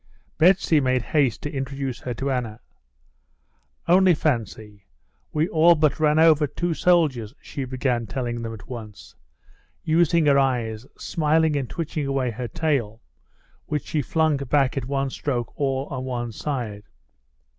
Betsy made haste to introduce her to Anna. "Only fancy, we all but ran over two soldiers," she began telling them at once, using her eyes, smiling and twitching away her tail, which she flung back at one stroke all on one side.